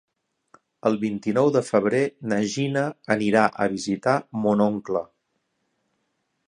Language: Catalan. El vint-i-nou de febrer na Gina anirà a visitar mon oncle.